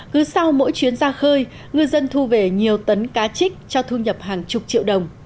cứ sau mỗi chuyến ra khơi ngư dân thu về nhiều tấn cá trích cho thu nhập hàng chục triệu đồng